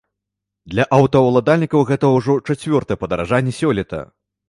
Для аўтаўладальнікаў гэта ўжо чацвёртае падаражанне сёлета.